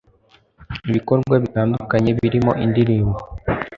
ibikorwa bitandukanye birimo indirimbo